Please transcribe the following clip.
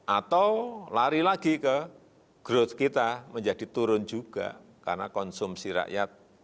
atau lari lagi ke growth kita menjadi turun juga karena konsumsi rakyat